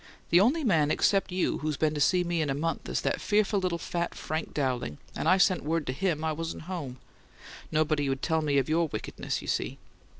The only man except you who's been to see me in a month is that fearful little fat Frank Dowling, and I sent word to HIM I wasn't home. Nobody'd tell me of your wickedness, you see."